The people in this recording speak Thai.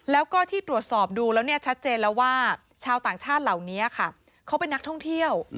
แล้วก็ที่ตรวจสอบดูแล้วเนี่ยชัดเจนแล้วว่าชาวต่างชาติเหล่านี้ค่ะเขาเป็นนักท่องเที่ยว